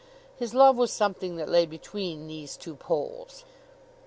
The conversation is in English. His love was something that lay between these two poles.